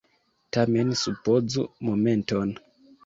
Tamen supozu momenton.